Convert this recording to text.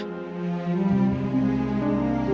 sekarang dia harus membayar kelakuan buruknya